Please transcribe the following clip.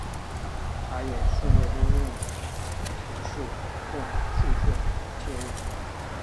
还有数个多用途室供住客借用。